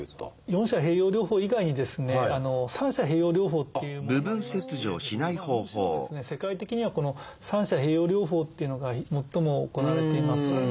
四者併用療法以外にですね三者併用療法っていうものもありましてむしろ世界的にはこの三者併用療法っていうのが最も行われています。